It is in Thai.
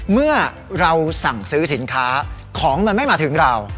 เมื่อเราสั่งซื้อสินค้าของมันไม่มาถึงเรา